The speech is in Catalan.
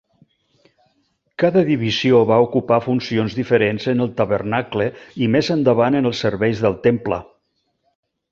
Cada divisió va ocupar funcions diferents en el tabernacle i més endavant en els serveis del temple.